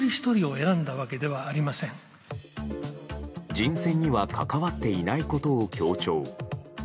人選には関わっていないことを強調。